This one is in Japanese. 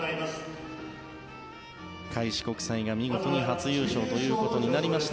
開志国際が見事に初優勝ということになりました。